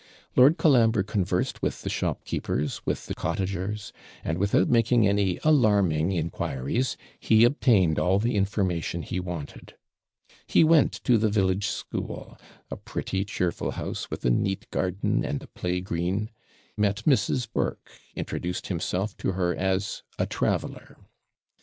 Lord Colambre conversed with the shopkeepers, with the cottagers; and, without making any alarming inquiries, he obtained all the information he wanted. He went to the village school a pretty, cheerful house, with a neat garden and a play green; met Mrs. Burke; introduced himself to her as a traveller.